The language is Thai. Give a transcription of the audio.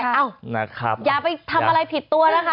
เยาเป็นตัวอย่างทัน